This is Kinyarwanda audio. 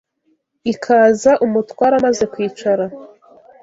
Ikaza umutware amaze kwicara